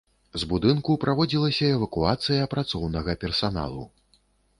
З будынку праводзілася эвакуацыя працоўнага персаналу.